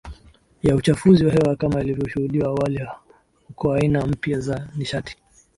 ya uchafuzi wa hewa kama ilivyoshuhudiwa awali hukoaina mpya za nishati